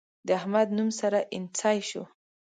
د احمد نوم سره اينڅۍ شو.